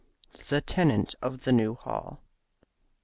THE TENANT OF THE NEW HALL.